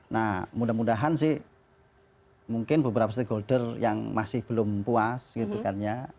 nah mudah mudahan sih mungkin beberapa stakeholder yang masih belum puas gitu kan ya